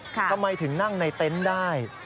ทำไมถึงนั่งในเต็นต์ได้